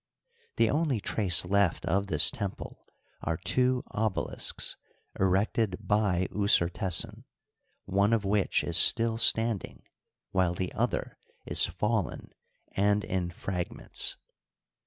The only trace left of this temple are two obelisks erected by Usertesen, one of which is still stand ing, while the other is fallen and in fragments.